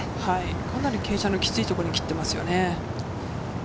かなり傾斜のきついところに切っていますよね。